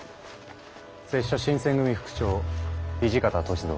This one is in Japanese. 拙者新選組副長土方歳三。